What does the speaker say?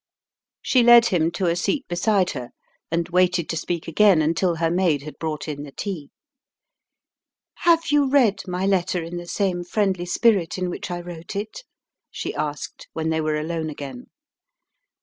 She led him to a seat beside her, and waited to speak again until her maid had brought in the tea. "Have you read my letter in the same friendly spirit in which I wrote it? "she asked, when they were alone again.